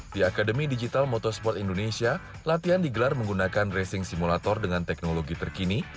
di akademi digital motorsport indonesia latihan digelar menggunakan racing simulator dengan teknologi terkini